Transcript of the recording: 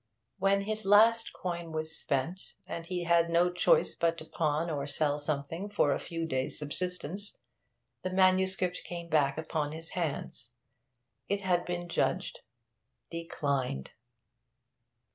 When his last coin was spent, and he had no choice but to pawn or sell something for a few days' subsistence, the manuscript came back upon his hands. It had been judged declined.